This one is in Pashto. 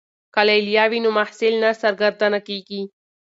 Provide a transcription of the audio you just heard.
که لیلیه وي نو محصل نه سرګردانه کیږي.